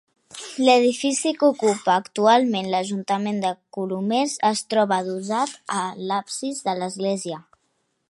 L'edifici que ocupa actualment l'Ajuntament de Colomers es troba adossat a l'absis de l'església.